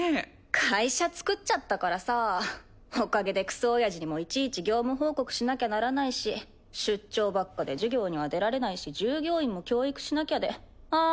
会社つくちゃったからさぁおかげでクソおやじにもいちいち業務報告しなきゃならないし出張ばっかで授業には出られないし従業員も教育しなきゃでああ